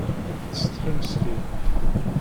Yettsetḥi meskin.